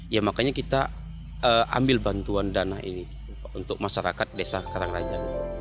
ya makanya kita ambil bantuan dana ini untuk masyarakat desa karangraja